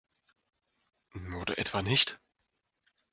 Oder etwa nicht?